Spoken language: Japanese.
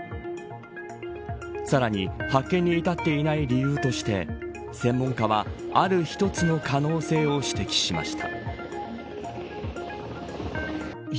さらに、発見に至っていない理由として専門家は、ある一つの可能性を指摘しました。